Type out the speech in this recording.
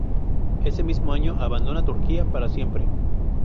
Ese mismo año abandona Turquía para siempre.